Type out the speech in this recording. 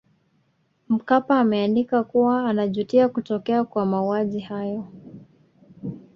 Mkapa ameandika kuwa anajutia kutokea kwa mauaji hayo